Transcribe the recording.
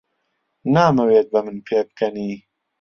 نامەوێت بە من پێبکەنی.